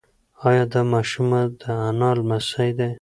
ایا دا ماشوم د انا لمسی دی؟